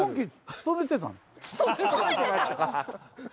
勤めてた！？